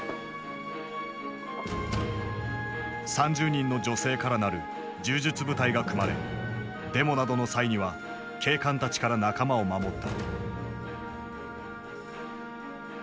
３０人の女性から成る柔術部隊が組まれデモなどの際には警官たちから仲間を守った。